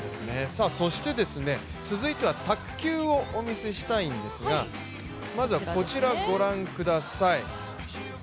そして続いては卓球をお見せしたいんですがまずはこちらご覧ください。